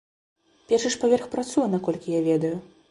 Першы ж паверх працуе, наколькі я ведаю.